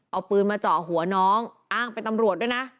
เอาปืนมาเจาะหัวน้องอ้างเป็นตำรวจด้วยนะ